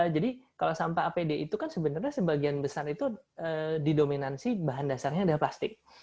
jadi kalau sampah apd itu kan sebenarnya sebagian besar itu didominasi bahan dasarnya adalah plastik